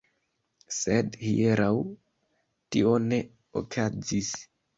Sed, hieraŭ, tio ne okazis.